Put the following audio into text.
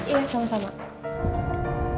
terima kasih banyak pak